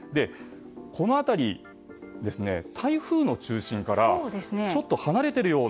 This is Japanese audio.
この辺り、台風の中心からちょっと離れているような。